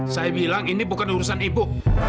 saya bilang ini bukan urusan ibu